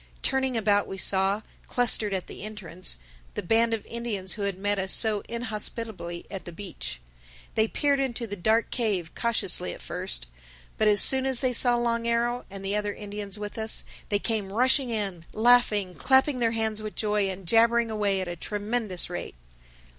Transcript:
Turning about we saw, clustered at the entrance, the band of Indians who had met us so inhospitably at the beach. They peered into the dark cave cautiously at first. But as soon as they saw Long Arrow and the other Indians with us, they came rushing in, laughing, clapping their hands with joy and jabbering away at a tremendous rate.